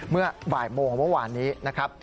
เมื่อบ่ายโมงเมื่อวานนี้นะครับ